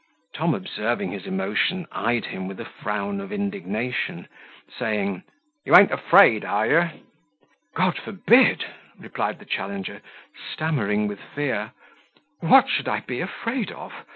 Tom observing his emotion, eyed him with a frown of indignation, saying, "You an't afraid, are you?" "God forbid," replied the challenger, stammering with fear; "what should I be afraid of?